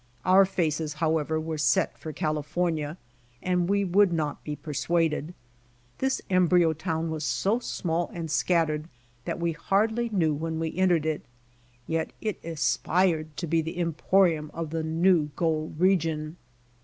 Our faces, however, were set for California and we would not be persuaded. This embryo town was so small and scattered that we hardly knew when we entered it. Yet it aspired to be the emporium of the new gold region.